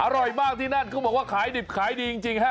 อร่อยมากที่นั่นเขาบอกว่าขายดิบขายดีจริงฮะ